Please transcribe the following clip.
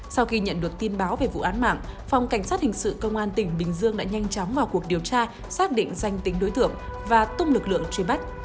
sau khi nhận được tin báo về vụ án mạng phòng cảnh sát hình sự công an tỉnh bình dương đã nhanh chóng vào cuộc điều tra xác định danh tính đối tượng và tung lực lượng truy bắt